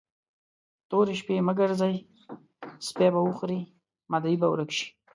تورې شپې مه ګرځئ؛ سپي به وخوري، مدعي به ورک شي.